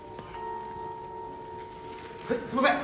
はいすいません。